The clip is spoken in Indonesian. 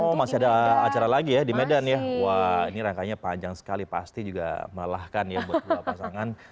oh masih ada acara lagi ya di medan ya wah ini rangkanya panjang sekali pasti juga melelahkan ya buat dua pasangan